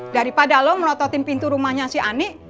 daripada lo ngerototin pintu rumahnya si ani